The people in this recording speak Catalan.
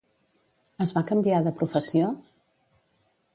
Es va canviar de professió?